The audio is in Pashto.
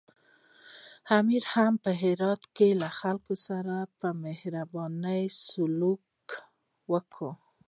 امیر هم په هرات کې له خلکو سره په مهربانۍ سلوک وکړ.